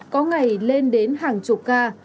có ngày lên đến hàng chục ca